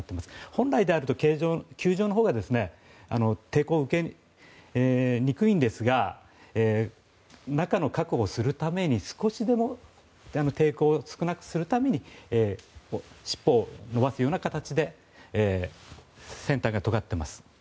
本来であると球状のほうが抵抗を受けにくいんですが中の確保をするために少しでも抵抗を少なくするために尻尾を伸ばすような形で船体がとがっています。